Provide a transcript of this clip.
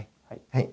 はい。